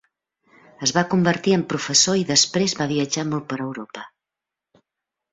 Es va convertir en professor i després va viatjar molt per Europa.